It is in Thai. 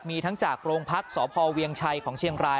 มีทั้งจากโรงพักษ์สพเวียงชัยของเชียงราย